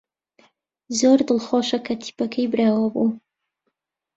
زۆر دڵخۆشە کە تیپەکەی براوە بوو.